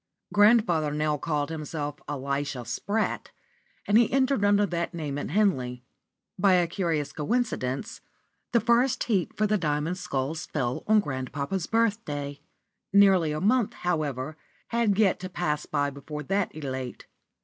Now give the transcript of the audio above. Grandfather now called himself Elisha Spratt, and he entered under that name at Henley. By a curious coincidence, the first heat for the Diamond Sculls fell on grandpapa's birthday. Nearly a month, however, had yet to pass by before that elate.